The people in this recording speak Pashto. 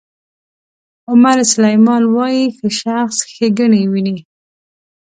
عمر سلیمان وایي ښه شخص ښېګڼې ویني.